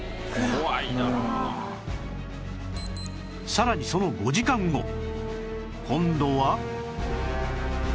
さらにその５時間後今度は